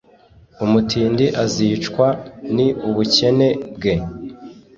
umutindi azicwa ni ubukene bwe